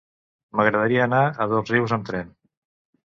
M'agradaria anar a Dosrius amb tren.